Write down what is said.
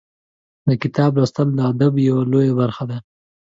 د کتاب لوستل د ادب یوه لویه برخه ده.